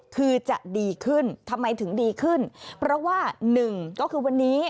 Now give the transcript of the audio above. คือจะดีขึ้นทำไมถึงดีขึ้นเพราะว่าหนึ่งก็คือวันนี้